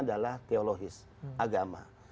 adalah teologis agama